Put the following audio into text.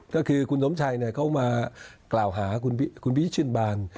ก็คือคุณสมชัยเขามากล่าวหาคุณพี่ชื่นบาน